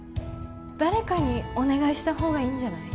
誰かにお願いした方がいいんじゃない？